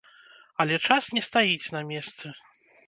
Але час не стаіць на месцы.